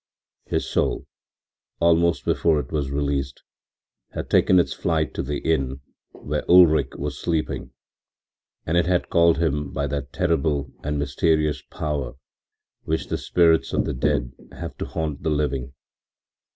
His soul, almost before it was released, had taken its flight to the inn where Ulrich was sleeping, and it had called him by that terrible and mysterious power which the spirits of the dead have to haunt the living.